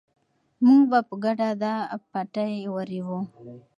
موږ به په ګډه دا پټی ورېبو.